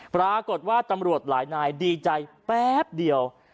ปรากฏว่าตำรวจหลายนายดีใจแป๊บเดียว